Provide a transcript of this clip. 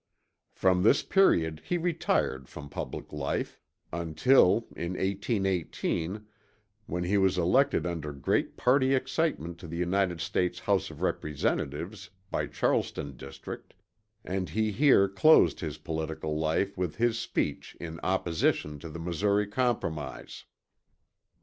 From this period he retired from public life, until in 1818, when he was elected under great party excitement to the United States House of Representatives by Charleston District, and he here closed his political life with his speech in opposition to the Missouri Compromise.